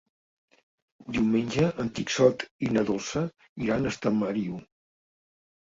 Diumenge en Quixot i na Dolça iran a Estamariu.